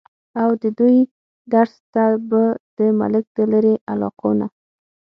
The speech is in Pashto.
اود دوي درس ته به د ملک د لرې علاقو نه